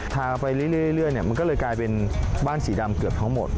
ไปเรื่อยมันก็เลยกลายเป็นบ้านสีดำเกือบทั้งหมด